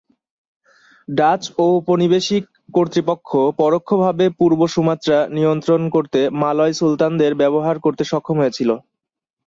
Dutch ঔপনিবেশিক কর্তৃপক্ষ পরোক্ষভাবে পূর্ব সুমাত্রা নিয়ন্ত্রণ করতে মালয় সুলতানদের ব্যবহার করতে সক্ষম হয়েছিল।